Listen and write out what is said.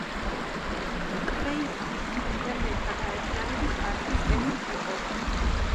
კვეისისი ფერმერთა გაერთიანების პარტიის წევრიც იყო.